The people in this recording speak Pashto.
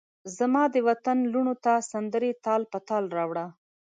زمادوطن لوڼوته سندرې تال په تال راوړه